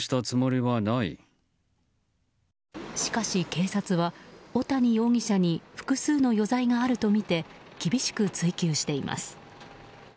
しかし、警察は小谷容疑者に複数の余罪があるとみて厳しく追及しています。